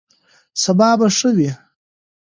سبا به ښه وي.